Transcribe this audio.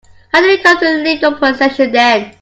How did it come to leave your possession then?